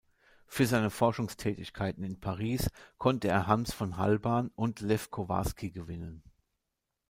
Für seine Forschungstätigkeiten in Paris konnte er Hans von Halban und Lew Kowarski gewinnen.